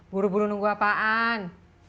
buru buru nunggu apaan